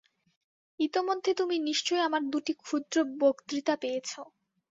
ইতোমধ্যে তুমি নিশ্চয় আমার দুটি ক্ষুদ্র বক্তৃতা পেয়েছ।